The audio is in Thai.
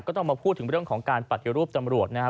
ต้องมาพูดถึงเรื่องของการปฏิรูปตำรวจนะครับ